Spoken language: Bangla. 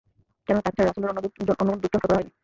কেননা তাঁকে ছাড়া রাসূলের অন্য কোন দূতকে হত্যা করা হয়নি।